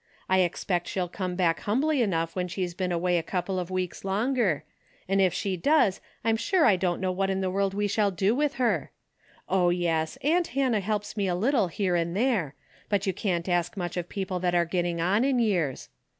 I expect she'll come back humbly enough when she's been away a couple of weeks longer, and if she does I'm sure I don't know what in the world we shall do with her. Oh yes, aunt Hannah helps me a little here and there, but you can't ask much of people that are getting on in years.